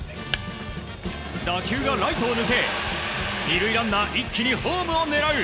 打球がライトを抜け２塁ランナー一気にホームを狙う。